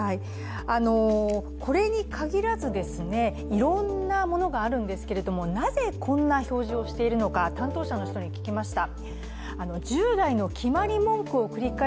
これに限らずいろんなものがあるんですけどなぜこんな表示をしているのか、担当者の人に聞きました。